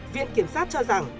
viện kiểm sát cho rằng